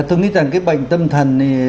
tôi nghĩ rằng cái bệnh tâm thần